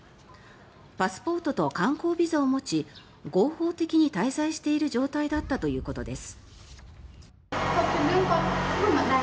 パスポートと観光ビザを持ち合法的に滞在している状態だったということです。